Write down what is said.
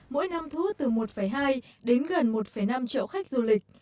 mỗi năm thu hút từ một hai đến gần một năm triệu khách du lịch